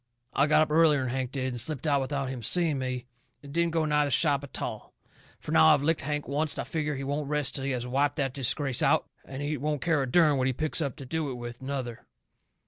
I got up earlier'n Hank did, and slipped out without him seeing me, and didn't go nigh the shop a tall. Fur now I've licked Hank oncet I figger he won't rest till he has wiped that disgrace out, and he won't care a dern what he picks up to do it with, nuther.